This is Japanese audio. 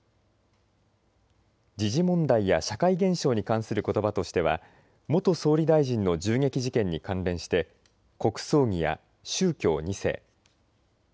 時事問題や社会現象に関することばとしては元総理大臣の銃撃事件に関連して国葬儀や宗教２世。